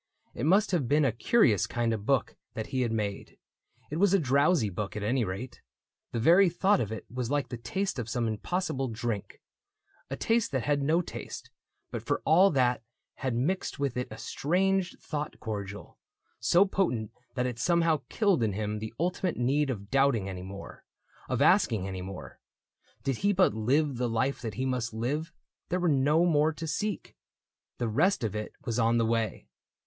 It must have been a curious kind of book That he had made : it was a drowsy book At any rate. The very thought of it Was like the taste of some impossible drink —• A taste that had no taste, but for all that Had mixed with it a strange thought cordial, So potent that it somehow killed in him The ultimate need of doubting any more — Of asking any more. Did he but live The life that he must live, there were no more To seek. — The rest of it was on the way.